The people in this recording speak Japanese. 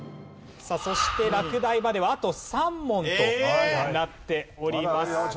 さあそして落第まではあと３問となっております。